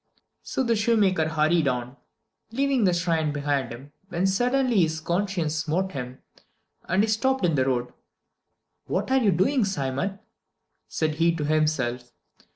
So the shoemaker hurried on, leaving the shrine behind him when suddenly his conscience smote him, and he stopped in the road. "What are you doing, Simon?" said he to himself.